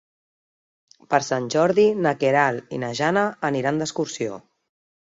Per Sant Jordi na Queralt i na Jana aniran d'excursió.